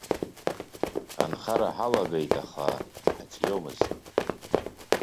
Анхара ҳалагеит аха, ҳаҿиомызт.